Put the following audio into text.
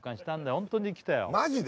ホントにきたよマジで？